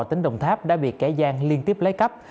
tỉnh đồng tháp đã bị kẻ gian liên tiếp lấy cắp